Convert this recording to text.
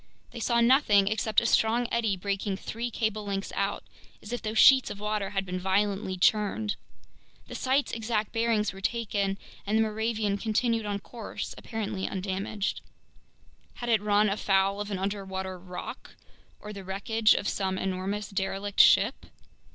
They saw nothing except a strong eddy breaking three cable lengths out, as if those sheets of water had been violently churned. The site's exact bearings were taken, and the Moravian continued on course apparently undamaged. Had it run afoul of an underwater rock or the wreckage of some enormous derelict ship?